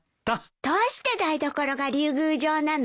どうして台所が竜宮城なの？